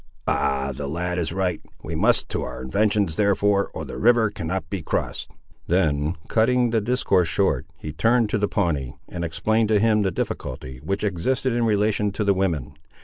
"Ah, the lad is right. We must to our inventions, therefore, or the river cannot be crossed." Then, cutting the discourse short, he turned to the Pawnee, and explained to him the difficulty which existed in relation to the women.